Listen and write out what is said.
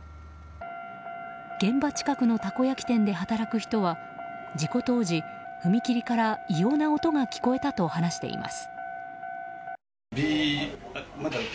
現場近くのたこ焼き店で働く人は事故当時、踏切から異様な音が聞こえたと話しています。